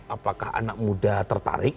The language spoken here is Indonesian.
apakah anak muda tertarik